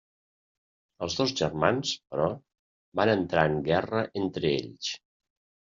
Els dos germans, però, van entrar en guerra entre ells.